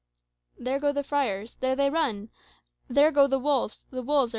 [There go the friars; there they run! There go the wolves, the wolves are done!